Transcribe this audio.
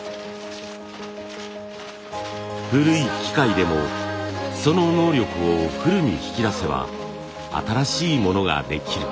古い機械でもその能力をフルに引き出せば新しいものができる。